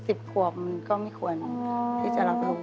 สิบขวบมันก็ไม่ควรที่จะรับรู้